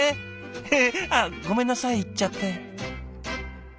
へへっあごめんなさい言っちゃって。